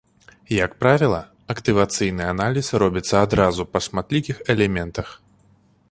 Як правіла, актывацыйны аналіз робіцца адразу па шматлікіх элементах.